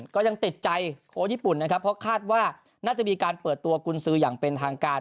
ก็ยังติดใจโค้ชญี่ปุ่นนะครับเพราะคาดว่าน่าจะมีการเปิดตัวกุญสืออย่างเป็นทางการ